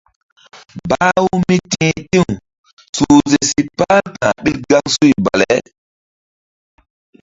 Bah-u mí ti̧h ti̧w suhze si par ka̧h ɓil gaŋsuy bale.